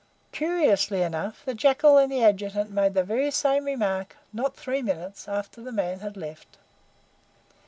Curiously enough, the Jackal and the Adjutant made the very same remark not three minutes after the men had left.